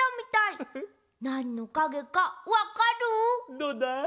どうだ？